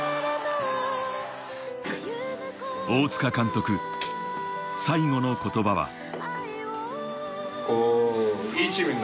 大塚監督、最後の言葉は。